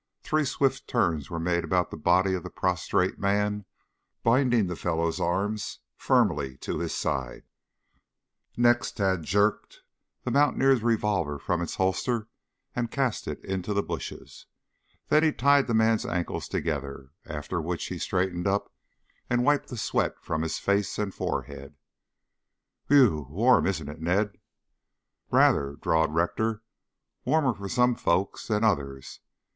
Three swift turns were made about the body of the prostrate man, binding the fellow's arms firmly to his sides. Next Tad jerked the mountaineer's revolver from its holster and cast it into the bushes. Then he tied the man's ankles together, after which he straightened up and wiped the sweat from his face and forehead. "Whew! Warm, isn't it, Ned?" "Rather," drawled Rector. "Warmer for some folks than others.